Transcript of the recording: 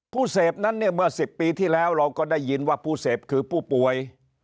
ผู้เสพนั้นเนี่ยเมื่อ๑๐ปีที่แล้วเราก็ได้ยินว่าผู้เสพคือผู้ป่วย